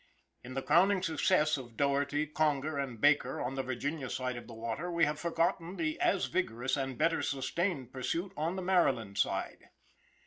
In the crowning success of Doherty, Conger, and Baker on the Virginia side of the water we have forgotten the as vigorous and better sustained pursuit on the Maryland side.